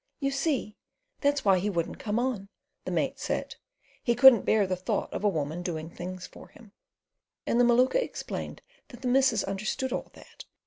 "You see, that's why he wouldn't come on," the mate said. "He couldn't bear the thought of a woman doing things for him"; and the Maluka explained that the missus understood all that.